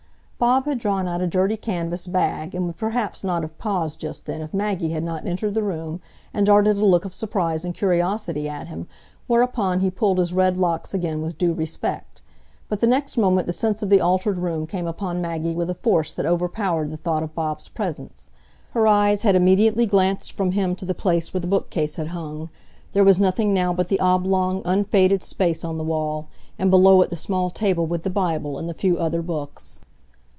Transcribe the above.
Bob had drawn out a dirty canvas bag, and would perhaps not have paused just then if Maggie had not entered the room and darted a look of surprise and curiosity at him, whereupon he pulled his red locks again with due respect. But the next moment the sense of the altered room came upon Maggie with a force that overpowered the thought of Bob's presence. Her eyes had immediately glanced from him to the place where the bookcase had hung; there was nothing now but the oblong unfaded space on the wall, and below it the small table with the Bible and the few other books.